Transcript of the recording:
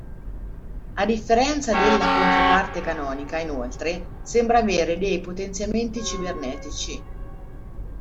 A differenza della controparte canonica, inoltre, sembra avere dei potenziamenti cibernetici.